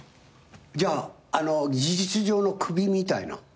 じゃあ事実上のクビみたいな？